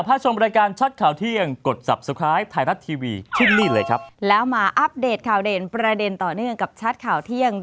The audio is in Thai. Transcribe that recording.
พี่ขาวเด่นประเด็นต่อเนื่องกับชาติข่าวเที่ยง